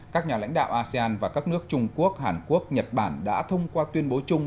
các nhà lãnh đạo asean và các nước trung quốc hàn quốc nhật bản đã thông qua tuyên bố chung